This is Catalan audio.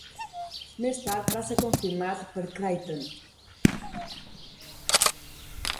Més tard va ser confirmat per Kryten.